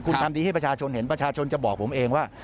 คุณทำดีให้ประชาชนเห็นประชาชนจะบอกผมเองว่า